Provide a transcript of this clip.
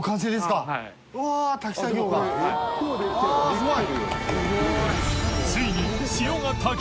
すごい！